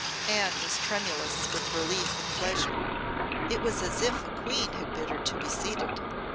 Anne was tremulous with relief and pleasure. It was as if a queen had bid her to be seated.